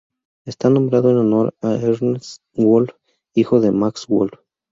Está nombrado en honor de Ernst Wolf, hijo de Max Wolf.